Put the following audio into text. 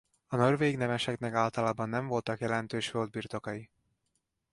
A norvég nemeseknek általában nem voltak jelentős földbirtokai.